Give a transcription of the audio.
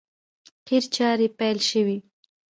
قیر چارې پیل شوې!